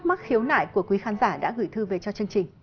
các thắc mắc khiếu nải của quý khán giả đã gửi thư về cho chương trình